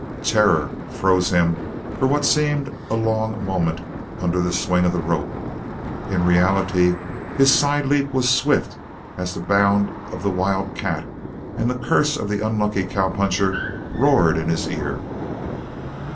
Terror froze him for what seemed a long moment under the swing of the rope, in reality his side leap was swift as the bound of the wild cat and the curse of the unlucky cowpuncher roared in his ear.